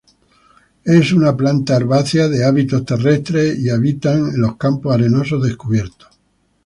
Es una planta herbácea de hábitos terrestres y habitan en los campos arenosos descubiertos.